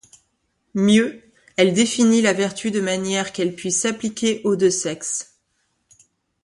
Mieux, elle définit la vertu de manière qu'elle puisse s'appliquer aux deux sexes.